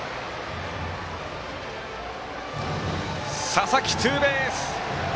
佐々木、ツーベース！